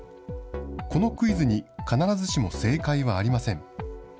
このクイズに必ずしも正解はありません。